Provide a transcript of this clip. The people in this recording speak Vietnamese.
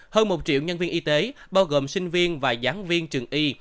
hơn một triệu nhân viên y tế bao gồm sinh viên và giảng viên trường y